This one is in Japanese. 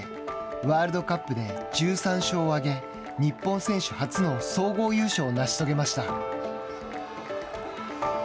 ワールドカップで１３勝を挙げ日本選手初の総合優勝を成し遂げました。